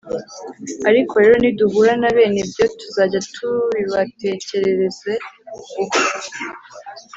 ariko rero niduhura na bene ibyo, tuzajya tubibatekerereze uko